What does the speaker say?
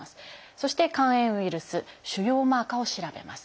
そして肝炎ウイルス腫瘍マーカーを調べます。